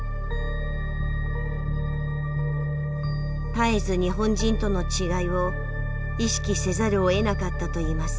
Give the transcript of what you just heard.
絶えず日本人との違いを意識せざるをえなかったといいます。